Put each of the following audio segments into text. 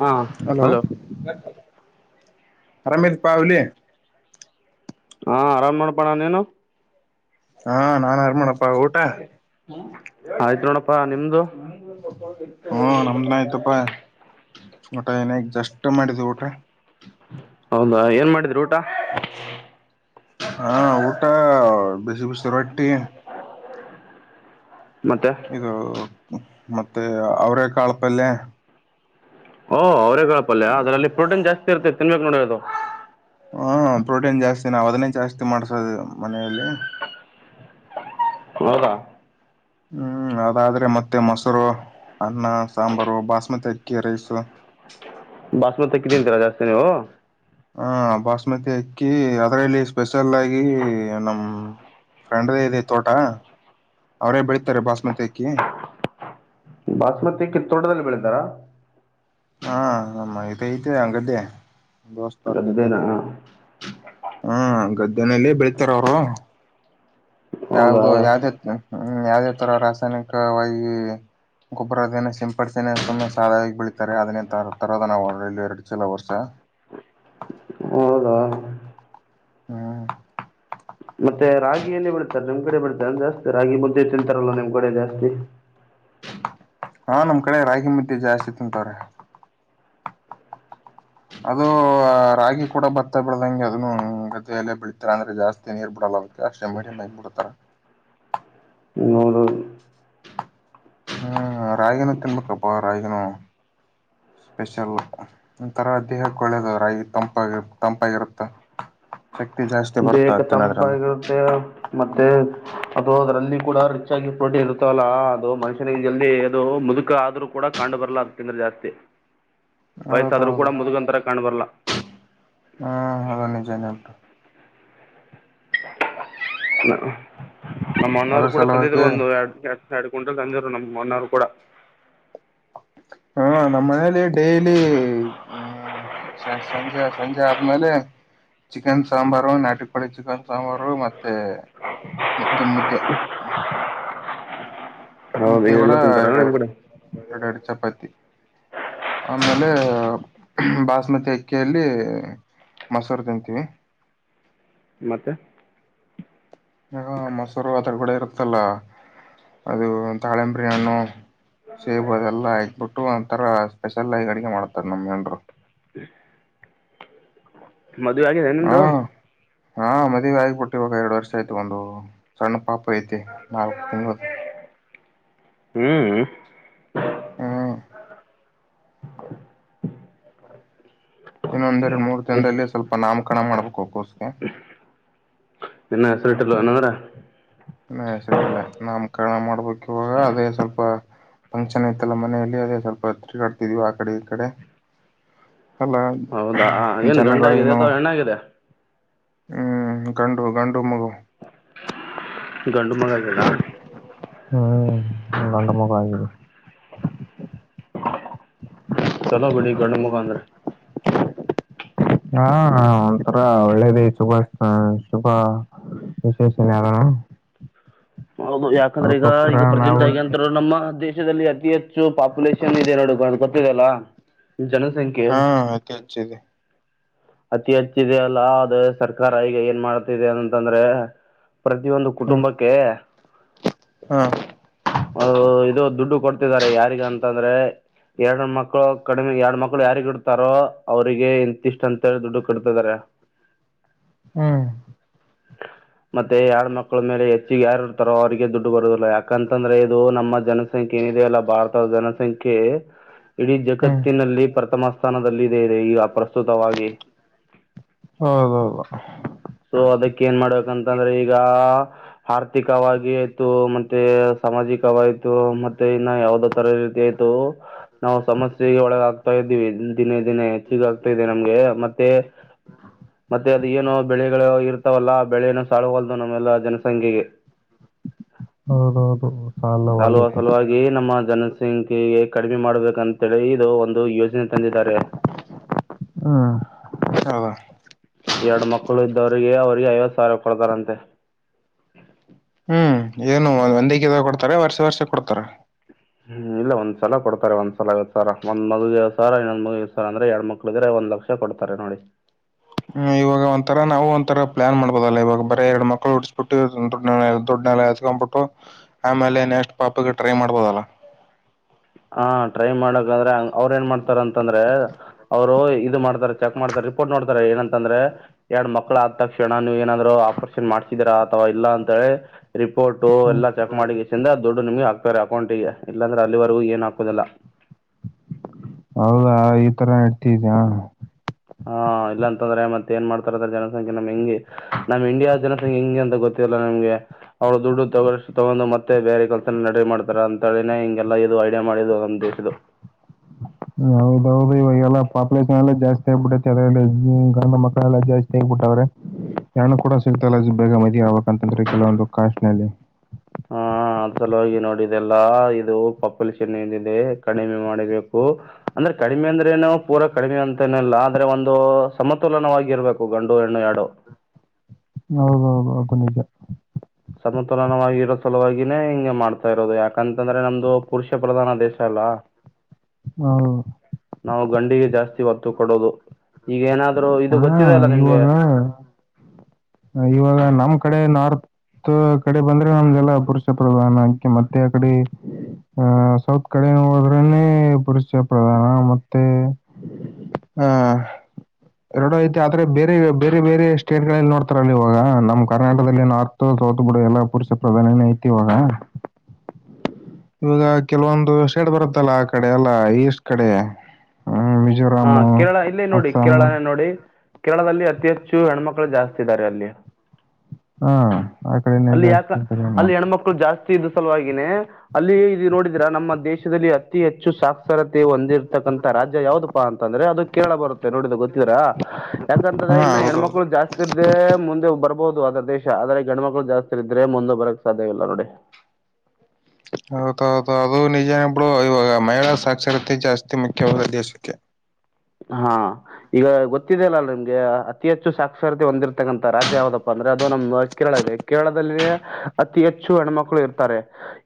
ಹಾ ಹಲೋ ಅರಾಮೇದ ಪಾವಲಿ ಹಾ ಆರಾಮ್ ಮಾಡಪಣ ನೀನು ಹಾ ನಾನ್ ಆರ್ ಮಾಡಪ್ಪ ಹಾಗಯ ನೋಡಪ್ಪಾ ನಿಮ್ದು ಹ್ಮ ನಮ್ದನ ಆಯ್ತಪ್ಪ ಊಟ ಏನ ಕಷ್ಟ ಮಾಡಿದ ಊಟ ಹೌದಾ ಏನ್ ಮಾಡಿದ್ರಿ ಊಟ ಹಾ ಊಟ ಬಿಸಿ ಬಿಸಿ ರೋಟಿ ಮತ್ತೆ ಇದು ಮತ್ತೆ ಅವ್ರೇ ಕಾಳ ಪಲ್ಯ ಓಹೋ ಅವರೇ ಕಾಳ್ ಪಲ್ಯ ಅದ್ರಲ್ಲಿ ಪ್ರೋಟನ್ ಜಾಸ್ತಿ ಇರುತೈತೆ ತಿನ್ಬೇಕು ನೋಡಿ ಅದು ಹ ಪ್ರೋಟೀನ್ ಜಾಸ್ತಿ ನಾವು ಅದನ್ನೇ ಜಾಸ್ತಿ ಮಾಡ್ಸೋದು ಮನೆಯಲ್ಲಿ ಹೌದ ಹ್ಮ್ ಅದಾದ್ರೆ ಮತ್ತೆ ಮೊಸರು ಅನ್ನ ಸಾಂಬಾರು ಬಸ್ಮತಿ ಅಕ್ಕಿ ರೈಸು ಬಸುಮತಿ ಅಕ್ಕಿ ತಿಂತಿರಾ ಜಾಸ್ತಿ ನೀವು ಹಾಂ ಬಸುಮತಿ ಅಕ್ಕಿ ಅದರಲ್ಲಿ ಸ್ಪೆಷಲ್ಲ ಆಗಿ ನಮ್ಮ ಫ್ರೆಂಡ್ದೇ ಇದೆ ತೋಟ ಅವರೇ ಬೆಳೀತಾರೆ ಬಸ್ಮತಿ ಅಕ್ಕಿ ಬಸುಮತಿ ತೋಟದಲ್ಲಿ ಬೆಳಿತಾರ ಹಾ ನಮ್ಮ ಸ್ನೇಹಿತರು ಗದ್ದೆ ದೋಸ್ತರ ಗದ್ದೆ ಗದ್ದೆನಾ ಹ್ಮ್ ಗದ್ದೆ ನಲ್ಲ ಬೆಳಿತಾರ ಅವರು ಹೌದಾ ಯಾವ್ದು ಯಾವ್ದ ಇತ್ತು ಯಾವುದೇ ಥರ ರಾಸಾಯನಿಕವಾಗಿ ಗೊಬ್ಬರದನ್ನು ಸಿಂಪಡಿಸ ಸುಮ್ಮನೆ ಸಾಲವಾಗಿ ಬೆಳೀಿತಾರೆ ಅದನ್ನೇ ತ ತರೋದು ನಾವು ಇಲ್ಲಿ ಎರಡು ಚಲ ವರ್ಷ ಹೌದಾ ಹ್ಮ್ ಮತ್ತೆ ರಾಗಿ ಎಲ್ಲಿ ಬೆಳಿತಾರೆ ನಿಮ್ ಕಡೆ ಬೆಳತಾರೆ ಅ ಜಾಸ್ತಿ ರಾಗಿ ಮುದ್ದೆ ತಿಂತಾರಲ್ಲ ನಿಮ್ ಕಡೆ ಜಾಸ್ತಿ ಹಾ ನಮ್ ಕಡೆ ರಾಗಿ ಮುದ್ದೆ ಜಾಸ್ತಿ ತಿಂತವ್ರ ಅದು ರಾಗಿ ಕೂಡ ಬತ್ತ ಬೆಳದಂಗೆ ಅದನ್ನು ಗದಲ್ಲೇ ಬೆಳತಾರ ಅಂದ್ರೆ ಜಾಸ್ತಿ ನೀರ್ ಬಿಡಲ್ಲ ಅದಕ್ಕೆ ಅಷ್ಟೆ ಮೀಡಿಯಮ್ ಆಗ್ ಬಿಡ್ತಾರ ನೂರು ಹ್ಮ್ ರಾಗಿನೂ ತಿನ್ಬೇಕಪ್ಪಾ ರಾಗಿನುೂ ಸ್ಪೆಷಲ್ ಒಥರ ದೇಹಕ್ಕೆ ಒಳ್ಳೇದು ರಾಗಿ ತಂಪಾಗಿ ತಂಪಾಗಿರುತ್ತ ದೇಹಕ್ಕೆ ತಂಪಾಗಿರುತ್ತೆ ಮತ್ತೆ ಅದು ಅದ್ರಲ್ಲಿ ಕೂಡ ರಿಚ್ ಆಗಿ ಪ್ರೋಟೀನ್ ಇರ್ತಾವಲ್ಲಾ ಅದು ಮನುಷ್ಯನಿಗೆ ಜಲ್ಲಿ ಅದು ಮುದುಕ ಆದ್ರೂ ಕೂಡ ಕಂಡು ಬರ್ಲ್ಲ ಅ ತಂದ್ರೆ ಜಾಸ್ತಿ ವಯಸ್ಸಾದ್ರೂ ಹೌದೌದು ಕೂಡ ಮುದುಗಂಂತರ ಕಾಣ್ಬರ್ಲ್ಲಾ ಹ್ಮ್ ಅದ ನಿಜಾನೇ ಉಂಟು ಇ ನಮ್ಮ ಅದ್ರ ಅನವ್ರು ಕೂಡ ತಂದಿದ್ರು ಸಲುವಾಗಿ ಒಂದು ಎ ಎರಡು ಗ ಕುಂಟಲ್ ತಜರು ನಮ್ಗೆ ಮೊನ್ನವರು ಕೂಡ ಹ್ಮ ನಮ್ಮ ಮನೇಲಿ ಡೈಲಿ ಹ್ಮ ಸಂಜೆ ಸಂಜೆ ಆದ್ಮೇಲೆ ಚಿಕನ್ ಸಾಂಬಾರು ನಾಟ ಕೋಳಿ ಚಿಕನ್ ಸಾಂಬಾರು ಮತ್ತೆ ಇ ಮತ್ತೆ ಹೌದು ಮು್ದೆ ಕೂಡ ಇದೆಲ್ಲ ತಿಂತಾರಾ ನಿಮ್ಮ ಎರಡಾಡು ಕಡೆ ಎರಡಾಡು ಚಪಾತಿ ಆಮೇಲೆ ಬಸ್ಮತಿ ಅಕ್ಕಿಯಲ್ಲಿ ಮೊಸರು ತಿಂತೀವಿ ಮತ್ತೆ ಈಗ ಮೊಸರು ಅದರ ಕೂಡೆ ಇರುತ್ತಲ್ಲ ಅದು ತಾಳೆಂಬಂಬರಿಾನು ಸೇಬು ಅದೆಲ್ಲಾ ಹಕ್ಬಿಟ್ಟು ಒಥರ ಸ್ಪೆಷಲ್ ಅಡಿಗೆ ಮಾಡತಾರ ನಮನ್ರು ಮದುವೆ ಆಗಿದೆ ಇನ್ನೊಂದು ಹಾ ಆಗ್ಬಿಟ್ಟು ಇವಾಗ ಎರಡು ವರ್ಷ ಐತಿು ಒಂದು ಸಣ್ಣ ಪಾಪ ಐತೆತಿ ನಾಲ್ಕು ತಿಂಗಳುದುು ಹ್ಮ್ ಹ್ಮ್ ಇನ್ನೊಂದೆ ಎರಡು ಮೂರ್ ಎಸ್ ದಿನದಲ್ಲಿ ಸ್ವಲ್ಪ ನಾಮಕರಣ ಮಾಡ್ಬೇಕು ಅಕ್ಕೋಸ್ಕ ಇನ್ನ ಹೆಸರಿಟ್ಟಲ್ ಅನಂದ್ರ ಇ ಹೆಸರಿಟ್ಟಲ್ಲ ನಮ ಕಾರಣ ಮಾಡ್ಬೇಕಕ್ ಇವಾಗ ಅದೇ ಸ್ವಲ್ಪ ಫಂಕ್ಷನ್ ಐತಲ್ಲ ಮನೆಯಲ್ಲಿ ಅದೇ ಸ್ವಲ್ಪ ಹತ್ರಿ ಕಡ್ತಿದ್ವಿ ಆ ಕಡೆ ಈ ಕಡೆ ಅಲ್ಲ ಹೌದಾ ಏನ್ ಗಂಡ ಆಾಗಿದೆ ಅಥವಾ ಹೆಣ್ಣಾಗಿದೆ ಹ್ಮ್ ಕಂಡು ಕಂಡು ಮುಗು ಗಂಡು ಮಗಾಗಲ್ಲ ಹ್ಮ್ ಗಂಡ ಮುಖ ಆ ಚಲೋ ಬಿಡಿ ಗಂಡ ಮುಖಾ ಅಂದ್ರ ಹಾ ಒಂಥರ ಒಳ್ಳೇದ ಶುಭ ಶುಭ ವಿಶೇಷ ಯಾರಾನ ಹೌದು ಯಾಕಂದ್ರೆ ಈಗ ಈಗ ಪ್ರೆಸೆಂಟ್ ಆಗಿ ಅಂತರು ನಮ್ಮ ದೇಶ ದೇಶದಲ್ಲಿ ಅತಿ ಹೆಚ್ಚು ಪಾಪ್ಯುಲೇಷನ್ ಇದೆ ನೋಡು ಅ ಗೊತ್ತಿದೆಲ್ಲ ಜನಸಂಖ್ಯೆ ಹಾ ಅತ್ತಚ್ಚದೆ ಅತಿ ಹೆಚ್ಚಿದೆ ಅಲ್ಲ ಅದ ಸರ್ಕಾರ ಈಗ ಏನ್ ಮಾಡ್ತಿದೆ ಅನಂತಂದ್ರೆ ಪ್ರತಿಯೊಂದು ಹ್ಮ್ ಕುಟುಂಬಕ್ಕೆ ಹಾ ಅದು ಇದು ದುಡ್ಡು ಕೊಡ್ತಿದ್ದಾರೆ ಯಾರಿಗ ಅಂತ ಅಂದ್ರೆ ಎರಡ್ ಮಕ್ಳು ಕಡಿಮೆ ಎರಡ್ ಮಕ್ಳು ಯಾರಿಗ ಇಡ್ತಾರೋ ಅವ್ರಿಗೆ ಇಂತಿಷ್ಟ ಅಂತ ದುಡ್ಡು ಕೊಡ್ತಿದ್ದಾರೆ ಹ್ಮ್ ಮತ್ತೆ ಯಳು ಮಕ್ಕಳ ಮೇಲೆ ಹೆಚ್ಚುಿಗೆ ಯಾರ ತರ ಅವರಿಗೆ ದುಡ್ಡು ಬರುದಿಲ್ಲ ಯಾೆ ಕಂತಂದ್ರೆ ದು ನಮ್ಮ ಜನಸಂಖ್ಯೆ ಏನಿದೆ ಅಲ್ಲ ಭಾರತದ ಜನಸಂಖ್ಯೆ ಇಡೀ ಹ್ಮ್ ಜಗತ್ತಿನಲ್ಲಿ ಪ್ರಥಮ ಸ್ಥಾನದದಲ್ಲಿ ಇದೆ ಇದೆ ಈಗ ಪ್ರಸ್ತುತವಾಗಿ ಹೌದೌದು ಸೊ ಅದಕ್ಕೆ ಏನ್ ಮಾಡ್ಬೇಕಂತಂದ್ರೆ ಈಗ ಆರ್ಥಿಕವಾಗಿ ಆಯ್ತು ಮತ್ತೆ ಸಾಮಾಜಿಕವಾಯ್ತು ಮತ್ತೆ ಇನ್ನ ಯಾವದೋ ತರ ಈ ರೀತಿ ಆಯ್ತು ನಾವು ಸಮಸ್ಯೆಗೆ ಒಳಗಾಗಗ್ತಾ ಇದ್ದೀವಿ ದಿನೇ ದಿನೇ ಹೆಚ್ಚಿಗ ಆಗ್ತಾ ಇದೆ ನಮ್ಗೆ ಮತ್ತೆ ಮತ್ತೆ ಅದ ಏನೋ ಬೆಳೆಗಳು ಇರ್ತಾವಲ್ಲ ಬೆಳೆಯನ್ನು ಸಾಳ್ಗಲ್ದು ನಮ್ಮೆಲ್ಲ ಜನಸಂಖ್ಯೆಗೆ ಹ ಸಲುವ ಸಲುವಾಗಿ ನಮ್ಮ ಜನಸಂಖ್ಯೆಗೆ ಕಡಿಮೆ ಮಾಡಬೇಕಂತೇಳಿ ಇದು ಒಂದು ಯೋಜನೆ ತಂದಿದ್ದಾರೆ ಹ್ಮ್ ಹೌದಾ ಎರಡು ಮಕ್ಕಳು ಇದ್ದವ್ರಿಗೆ ಅವ್ರಿಗೆ ಐವತ್ ಸಾವಿರ ಕೊಡ್ತಾರಂತೆ ಒಂದ ಕೊಡ್ತಾರೆ ವರ್ಷ ವರ್ಷ ಕೊಡ್ತಾರ ಹ್ಮ್ ಇಲ್ಲ ಒಂದ್ಸಲ ಕೊಡ್ತಾರೆ ಒಂದ್ಸಲ ಸರ ಒಂದ್ ಮಗು ಸರ ಇನ್ನೊಂದ್ ಮಗ್ ಸರ ಅಂದ್ರೆ ಎರಡ್ ಮಕ್ಳ ಇದ್ರೆ ಒಂದ್ ಲಕ್ಷ ಕೊಡ್ತಾರೆ ನೋಡಿ ಈ ಒಂಥರ ನಾವು ಒಂಂತರ ಪ್ಲಾನ್ ಮಾಡ್ಬೋದಲ್ಲ ಇವಾಗ ಬರ ಎರಡು ಮಕ್ಳು ಉಡಸ್ಬಿಟ್ಟುದುಡ್ನೆ ದುಡ್ನೆೆಲೆ ಹತ್ಕೊಂಡ್ಬಿಟ್ಟು ಆಮೇಲೆ ನೆಕ್ಸ್ಟ್ ಪಾಪಗೆ ಟ್ರೈ ಮಾಡ್ಬೋದಲ್ಲ ಹ ಟ್ರೈ ಮಾಡಕ ಅಂದ್ರೆ ಅವ್ರ ಏನ್ ಮಾಡ್ತಾರ ಅಂತಂದ್ರೆ ಅವ್ರು ಇದು ಮಾಡ್ತಾರ ಚೆಕ್ ಮಾಡ್ತಾರೆ ರಿಪೋರ್ಟ್ ನೋಡ್ತಾರೆ ಏನಂತಂದ್ರೆ ಎರಡ್ ಮಕ್ಳ ಆದ ತಕ್ಷಣ ನೀವು ಏನಂದ್ರು ಆಪರೇಷನ್ ಮಾಡ್ಸಿದೀರಾ ಅಥವಾ ಇಲ್ಲ ಅಂತ ಹೇಳಿ ರಿಪೋರ್ಟ್ ಹ್ಮ್ ಎಲ್ಲ ಚೆಕ್ ಮಾಡಿ ಚಂದ ದುಡ್ಡು ನಿಮ್ಗೆ ಹಾಕ್ತಾರೆ ಅಕೌಂಟ್ಗೆ ಇಲ್ಲಾಂದ್ರೆ ಅಲ್ಲಿವರೆ ಏನ ಹಾಕುವುದಲ್ಲ ಹೌದಾ ಈ ತರ ಇಡ್ತಿದಯ ಹಾ ಇಲ್ಲಾಂತಂದ್ರೆ ಮತ್ತೆ ಏನ್ ಮಾಡ್ತಾರದ ಜನಸಂಖ್ಯೆ ನಮ್ ಹೆಂಗಗೆ ನಮ್ ಇಂಡಿಯಾ ಜನಸಂಖ್ಯೆ ಹೆಿಂಗಗೆ ಅಂತ ಗೊತ್ತಿಲ್ಲ ನಿಮ್ಗೆ ಅವ್ಳ ದುಡ್ಡು ತಗೋಷ್ಟು ತಗೊಂಡು ಮತ್ತೆ ಬೇರೆ ಕೆಲ್ಸನ ನಡ ಮಾಡ್ತಾರ ಅಂತ ಹೇಳಿನನೆ ಹಿಂಗೆಲ್ಲಾ ಇದು ಐಡಿಯಾ ಮಾಡಿದು ನಮ್ ದೇಶ್ದ ಹೌದೌದು ಇವಾಗೆಲ್ಲ ಪಾಪುಲೇಷನ್ ಎಲ್ಲ ಜಾಸ್ತಿ ಆಗಗ್ಬಿಟ್ಟೈತಿ ಅದ ಗಂಡಧ ಮಕ್ಕಳೆಲ್ಲಾ ಜಾಸ್ತಿ ಆಗಿಬಿಟ್ಟಾವ್ರೆ ಹಣ್ಣು ಕೂಡ ಸಿಗ್ತಲ್ಲ ಬೇಗ ಮದ್ ಆಗ್ಬೇಕ ಅಂತಂದ್ರ ಕೆಲವೊಂದು ಕಾಸ್ಟ್ ನಲ್ಲಿ ಹಾ ಅದ ಸಲುವಾಗಿ ನೋಡಿದೆಲ್ಲಾ ಇದು ಪಪ್ಪಲಿ ಚಿನ್ನಿಂದ ಇಿದೆ ಕಡಿಮೆ ಮಾಡಿಬೇಕು ಅಂದ್ರೆ ಕಡಿಮೆ ಅಂದ್ರೆ ನುೋ ಪೂರಾ ಕಡಿಮೆ ಅಂತೇನಲ್ಲ ಆದ್ರೆ ಒಂದು ಸಮತೋಲನವಾಗಿ ಇರ್ಬೇಕು ಗಂಡು ಹೆಣ್ಣು ಎರಡು ಹೌದೌದು ಅದು ನಿಜ ಸಮತುಲನವಾಗಿ ಇರೋ ಸಲುವಾಗಿಿನೇ ಹಿಂಗೆ ಮಾಡ್ತಾ ಇರೋದು ಯಾಕಂತಂದ್ರೆ ನಮ್ದು ಪುರುಷ ಪ್ರಧಾನ ದೇಶ ಅಲ್ಲ ಹೌದು ನಾವು ಗಂಡಿಗೆ ಜಾಸ್ತಿ ಹೊತ್ತು ಕೊಡೋದು ಈಗ ಏನಾದೂ ಹಾ ಇವಾಗ ಇವಾಗ ನಮ್ ಕಡೆ ನಾರ್ತ್ ಕಡೆ ಬಂದ್ರೆ ನಮಗೆಲ್ಲ ಪುರುಷ ಪ್ರಧಾನ ಅಕೆ ಮತ್ತೆ ಆ ಕಡೆ ಆ ಸೌತ್ ಕಡೆ ಹೋದ್ರೇ ಪುರುಷ ಪ್ರಧಾನ ಮತ್ತೆ ಅಹ ಎರಡ ಐತಿ ಆದ್ರೆ ಬೇರೆ ಬೇರೆ ಬೇರೆ ಸ್ಟೇಟ್ಗಳಲ್ಲಿ ನೋಡ್ತ ಇವ ನಮ್ಮ್ ಕರ್ನಾಟಕದಲ್ಲಿ ನಾರ್ತ್ ಸೌತ್ ಬಿಡ ಎಲ್ಲ ಪುರುಷ ಪ್ರಧಾನನೇ ಐತಿ ಇವಾಗ ಇವಾಗ ಕೆಲವೊಂದು ಸೈಡ್ ಬರುತ್ತಲ್ಲ ಆ ಕಡೆ ಎಲ್ಲ ಈಸ್ಟ್ ಕಡೆ ಹ್ಮ್, ಹ ಮಿಜೋರಾಮ್ ಕೇರಳ ಇಲ್ಲೇ ನೋಡಿ ಅಸ್ಸಾಂ ಕೇರಳನೇ ನೋಡಿ ಕೇರಳದಲ್ಲಿ ಅತಿ ಹೆಚ್ಚು ಹೆಚ್ಚು ಹೆಣ್ಮಕ್ಳು ಜಾಸ್ತಿ ಇದ್ದಾರೆ ಅಲ್ಲಿ ಹಾ ಆ ಕಡೆನೇ ಅಲ್ಲಿ ಯಾಕ ಜಾಸ್ತಿ ಇದ್ದಾರೆ ಅಲ್ಲಿ ಹೆಣ್ಮಕ್ಳು ಜಾಸ್ತಿ ಇದ್ದ ಸಲುವಾಗಿನೇ ಅಲ್ಲಿ ಇದು ನೋಡಿದೀರ ನಮ್ಮ ದೇಶದಲ್ಲಿ ಅತಿ ಹೆಚ್ಚು ಸಾಕ್ಷರತೆ ಹೊಂದಿರ್ತಕ್ಕಂಂತ ರಾಜ್ಯ ಯಾವ್ದಪ್ಪಾ ಅಂತಂದ್ರೆ ಅದು ಕೇಳ ಬರುತ್ತೆ ನೋಡಿದ ಗೊತ್ತಿದರಾ ಹಾ ಯಾಕಂತಂದ್ರೆ ಇನ್ನು ಹೌದೌದು ಹೆಣ್ಮಕ್ಳು ಜಾಸ್ತಿ ಇರ್್ದೆ ಮುಂದೆ ಬರ್ಬ ಹಹುದು ಅದ ದೇಶ ಆದರೆ ಗಣಮ ಜಾಸ್ತಿ ಇದ್ರೆ ಮುಂದ ಬರಕ್ ಸಾಧ್ಯವಿಲ್ಲ ನೋಡಿ ಹೌದೌದು ಅದು ನಿಜನಬ್ಳು ಇವಾಗ ಮಹಿಳಾ ಸಾಕ್ಷರತೆ ಜಾಸ್ತಿ ಮುಖ್ಯವಾದ ದೇಶಕ್ಕೆ ಹಾ ಈಗ ಗೊತ್ತಿದೆ ಅಲ್ಲಲ್ಲ ನಿಮ್ಗೆ ಅತಿ ಹೆಚ್ಚು ಸಾಕ್ಷರತೆ ಹೊಂದಿರ್ತಕ್ಕಂತ ರಾಜ್ಯ ಯಾವ್ದಪ್ಪ ಅಂದ್ರೆ ಅದು ನಮ್ದ ಕೇರಳ ಇದೆ ಕೇರಳದಲ್ಲಿೇ ಅತಿ ಹೆಚ್ಚು ಹೆಣ್ಮಕ್ಳು ಇರ್ತಾರೆ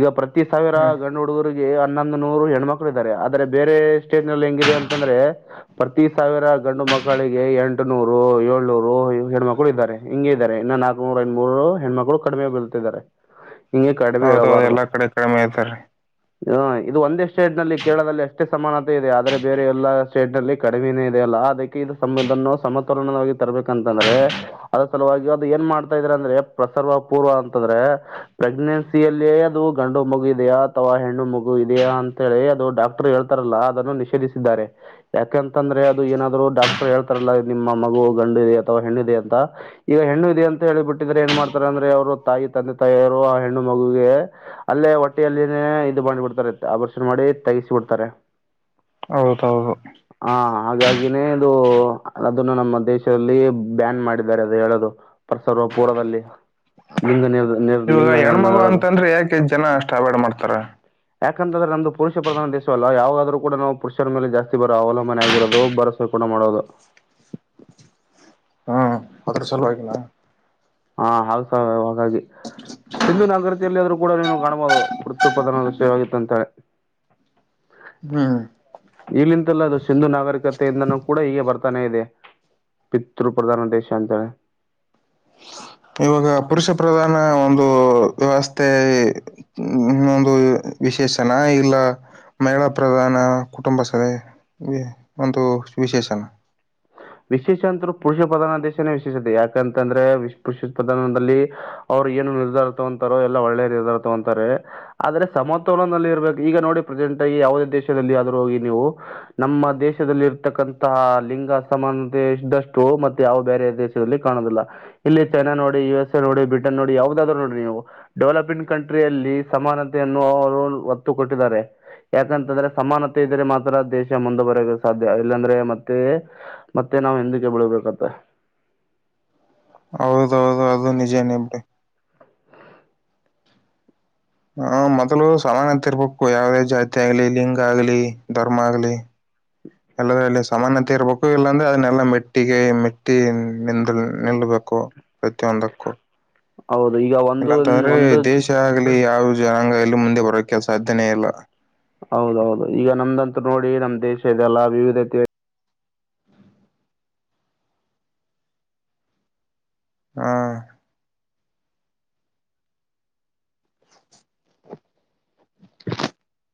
ಈಗ ಪ್ರತಿ ಸಾವಿರ ಹ್ಮ್. ಗಣ ಹುಡುಗರಿಗೆ ಹನ್ನೊಂದು ನೂರು ಹೆಣ್ಮಕ್ಳು ಇದ್ದಾರೆ ಆದ್ರೆ ಬೇರೆ ಸ್ಟೇಟ್ ನಲ್ಲಿ ಹೆಂಗಿದೆ ಅಂತಂದ್ರೆ ಪ್ರತಿ ಸಾವಿರ ಗಂಡು ಮಕ್ಕಳಿಗೆ ಎಂಟುನೂರು ಏಳ್ನೂರು ಹೆಣ್ಮಕ್ಳು ಇದ್ದಾರೆ ಹಿಂಗಗೆ ಇದ್ದಾರೆ ಇನ್ನು ನಾಕನೂರು ಎಂ ಮೂೂರು ಹೆಣ್ಮಕ್ಳು ಕಡಿಮೆ ಬಲ್ತಿದ್ದಾರೆ ಹೌದೌದು ಎಲ್ಲಾ ಕಡೆ ಕಡಿಮೆ ಇದ್ದಾರೆ ಹಾ ಇದು ಒಂದೆಷ್ಟು ಸೇಟ್ ನಲ್ಲಿ ಕೇಳದಲ್ಲಿ ಅಷ್ಟೇ ಸಮಾನತೆ ಇದೆ ಆದ್ರರೆ ಬೇರೆ ಎಲ್ಲ ಸ್ಟೇಟ್ ನಲ್ಲಿ ಕಡಿಮೆ ಇದೆ ಅಲ್ಲ ಅದಕ್ಕೆ ಇ ಇದನ್ನು ಸಮತೋಲನವಾಗಿ ತರಬೇಕಂತಂದ್ರೆ ಅದ್ರ ಸಲುವಾಗಿ ಅದು ಏನ್ ಮಾಡ್ತಾ ಇದ್ರ ಅಂದ್ರೆ ಪ್ರಸರ್ವ ಪೂರ್ವ ಅಂತಂದ್ರೆ ಪ್ರೆಗ್ನೆನ್ಸಿಯಲ್ಲಿಯೇ ಅದು ಗಂಡು ಮಗು ಇದೆಯಾ ಅಥವಾ ಹೆಣ್ಣು ಮಗು ಇದೆಯಾ ಅಂತ ಹೇಳಿ ಅದು ಡಾಕ್ಟರ್ ಹೇಳ್ತಾರಲ್ಲ ಅದನ್ನು ನಿಷೇಧಿಸಿದ್ದಾರೆ ಯಾಕೆಂತಂದ್ರೆ ಅದು ಏನಾದ್ರು ಡಾಕ್ಟರ್ ಹೇಳ್ತಾರಲ್ಲ ನಿಮ್ಮ ಮಗು ಗಂಡು ಇದೆ ಅಥವಾ ಹೆಣ್ಣುಿದೆದೆ ಅಂತ ಈಗ ಹೆಣ್ಣು ಇದೆ ಅಂತ ಹೇಳಿಬಿಟ್ಟಿದ್ರೆ ಏನ್ ಮಾಡ್ತಾರೆ ಅಂದ್ರೆ ಅವರು ತಾಯಿ ತಂದೆ ತಾಯಿಯವರು ಆ ಹೆಣ್ಣು ಮಗಗೆ ಅಲ್ಲೇ ಹೊಟ್ಟಿಯಲ್ಲಿೇ ಇದು ಮಾಡ್ಬಿಡ್ತಾರೆ ಆಪರೇಷನ್ ಮಾಡಿ ತಗಸಿ ಬಿಿಡ್ತಾರೆ ಹೌದೌದು ಹಾ ಹಾಗಾಗಿನೇ ಇದು ಅದನ್ನು ನಮ್ಮ ದೇಶದಲ್ಲಿ ಬ್ಯಾನ್ ಮಾಡಿದ್ದಾರೆ ಅದು ಹೇಳೋದು ಪಸರ್ವ ಪುರದಲ್ಲಿ ಲಿಂಗ ನಿರ್ ಇವಾಗ ನಿರ್ಲಿಂಗ ಹೆಣ್ಣು ಹೆಣ್ಮಗ ಹೇಳೋದು ಅಂತಂದ್ರೆ ಯಾಕೆ್ ಜನ ಅಷ್ಟ ಅಬೇಡ್ ಮಾಡ್ತಾರ ಯಾಕಂತಂದ್ರೆ ನಂದು ಪುರುಷ ಪ್ರಧಾನ ದೇಶವಲ್ಲ ಯಾವವುದಾದ್ರರು ಕೂಡ ನಾವು ಪುರುಷರ ಮೇಲೆ ಜಾಸ್ತಿ ಬರೋ ಅವಲಂಬನೆ ಆಗಿರೋದು ಭರಸೆ ಕೂಡ ಮಾಡೋದು ಹ್ಮ್ ಪತ್ರ ಸಲವಾಗಿಲ ಹಾ ಹೌಸ ಸಿಂಧು ನಾಗರತಿಯಲ್ಲಿ ಆದೂ ಕೂಡ ನೀನು ಕಾಣ್ಬಹದು ವೃತ್ಯತ್ಪಾದನೆ ಎಲ್ಲ ಸೇಾಗಿತ್ತ ಅಂತಳೆ ಹ್ಮ್ ಇಲ್ಲಿಂತೆಲ್ಲ ಅದು ಸಿಂಧು ನಾಗರಿಕತೆಯಿಂದನೂ ಕೂಡ ಹೀಗೆ ಬರ್ತಾನೆ ಇದೆ ಪಿತೃಪ್ರಧಾನ ದೇಶ ಅಂತೆ ಇವಾಗ ಪುರುಷ ಪ್ರಧಾನ ಒಂದು ವ್ಯವಸ್ಥೆ ಒಂದು ವಿಶೇಷನ ಇಲ್ಲ ಮಹಿಳಾ ಪ್ರಧಾನ ಕುಟುಂಬ ಸಭ ಒಂದು ವಿಶೇಷನ ವಿಶೇಷ ಅಂತರು ಪುರುಷ ಪ್ರಧಾನ ದೇಶನೇ ವಿಶೇಷತೆ ಯಾಕಂತಂದ್ರೆ್ ಪುರುಷ ಪ್ರಧಾನದಲ್ಲಿ ಅವ್ರು ಏನು ನಿರ್ಧಾರತ ಅಂತಾರೋ ಎಲ್ಲ ಒಳ್ಳೆ ನಿರ್ಧಾರತ ಅಂತಾರೆ ಆದ್ರೆ ಸಮತೋಲನದಲ್ಲಿ ಇರ್ಬೇಕು ಈಗ ನೋಡಿ ಪ್ರೆಸೆಂಟ್ ಆಗಿ ಯಾವುದೇ ದೇಶದಲ್ಲಿ ಆದ್ರೂ ಹೋಗಿ ನೀವು ನಮ್ಮ ದೇಶದಲ್ಲಿ ಇರತಕ್ಕಂತಹ ಲಿಂಗ ಸಮಾನತೆ ಇದ್ದಷ್ಟು ಮತ್ತೆ ಯಾವ ಬೇರೆ ದೇಶದಲ್ಲಿ ಕಾಣೋದಿಲ್ಲ ಇಲ್ಲಿ ಚೈನಾ ನೋಡಿ ಯು ಎಸ್ ಎ ನೋಡಿ ಬ್ರಿಟನ್ ನೋಡಿ ಯಾವದಾದ್ರು ನೋಡಿ ನೀವು ಡೆವಲಪಿಂಗ್ ಕಂಟ್ರಿಯಲ್ಲಿ ಸಮಾನತೆಯನ್ನು ಅವರು ಒತ್ತು ಕೊಟ್ಟಿದ್ದಾರೆ ಯಾಕಂತಂದ್ರೆ ಸಮಾನತೆ ಇದ್ರೆ ಮಾತ್ರ ದೇಶ ಮುಂದೆ ಬರಬೇಕ ಸಾಧ್ಯ ಇಲ್ಲಾಂದ್ರೆ ಮತ್ತೆ ಮತ್ತೆ ನಾವು ಎಂದಕ್ಕೆ ಬೆಳ್ಬೇಕತ್ತ ಹೌದ ಹೌದು ಅದು ನಿಜನ ಎ ಬಿಡಿ ಹ ಮೊದಲು ಸಮಾನತೆ ಇರ್ಬೇಕು ಯಾವವುದೇ ಜಾತಿ ಆಗ್ಲಿ ಲಿಂಗ ಆಗ್ಲಿ ಧರ್ಮ ಆಗ್ಲಿ ಎಲ್ಲದಲ್ಲಿ ಸಮಾನತೆ ಇರ್ಬೇಕು ಇಲ್ಲಾಂದ್ರೆ ಅದನ್ನೆಲ್ಲ ಮೆಟ್ಟಿಗೆ ಮೆಟ್ಟಿ ನಿಂದ ನಿಲ್ಲಬೇಕು ಪ್ರತಿಯೊಂದಕ್ಕೂ ಹೌದು ಈಗ ಒಂದು ಇಲ್ಲಾಂತಂದ್ರೆ ಒಂದು ದೇಶ ಆಗ್ಲಿ ಯಾವ ಜನಾಂಗ ಇ ಇಲ್ಲಿ ಮುಂದೆ ಬರೋಕ ಸಾಧ್ಯನೇ ಇಲ್ಲ ಹೌದೌದು ಈಗ ನಮ್ದಂತೂ ನೋಡಿ ನಮ್ ದೇಶ ಇದೆಲ್ಲಾ ವಿವಿಧ ರೀತ ಹಾ [unintelligible]